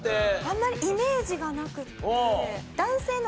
あんまりイメージがなくって。